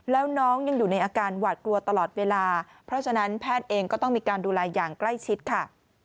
แล้วน้องยังอยู่ในอาการหวาดกลัวตลอดเวลาเพราะฉะนั้นแพทย์เองก็ต้องมีการดูแลอย่างใกล้ชิดค่ะ